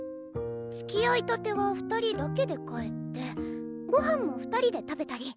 つきあいたては二人だけで帰ってご飯も二人で食べたり。